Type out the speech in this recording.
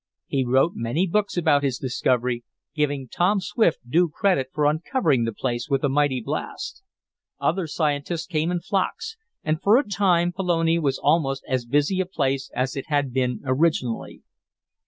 He wrote many books about his discovery, giving Tom Swift due credit for uncovering the place with the mighty blast. Other scientists came in flocks, and for a time Pelone was almost as busy a place as it had been originally.